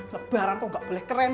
lebaran kok nggak boleh keren